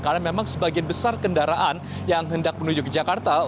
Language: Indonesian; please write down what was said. karena memang sebagian besar kendaraan yang hendak menuju ke jakarta